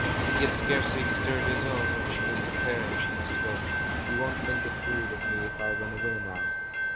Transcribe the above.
He had scarcely stirred his own when she was declaring she must go: "You won't think it rude of me if I run away now?"